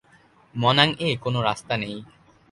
মনাঙ-এ কোন রাস্তা নেই।